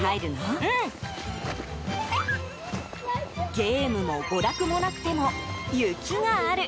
ゲームも娯楽もなくても雪がある。